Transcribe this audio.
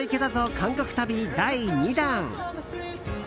韓国旅第２弾。